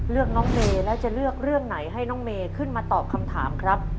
เลือกน้องเมย์แล้วจะเลือกเรื่องไหนให้น้องเมย์ขึ้นมาตอบคำถามครับ